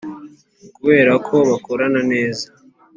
Kubera ko bakorana neza